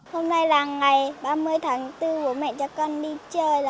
hôm nay là ngày ba mươi tháng bốn bố mẹ cho con đi chơi